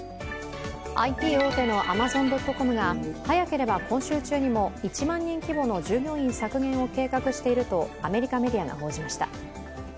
ＩＴ大手のアマゾン・ドット・コムが早ければ今週中にも１万人規模の従業員削減を計画しているとアメリカメディアが報じました。